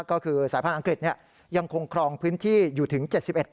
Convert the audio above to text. ก็คือสายพันธ์อังกฤษยังคงครองพื้นที่อยู่ถึง๗๑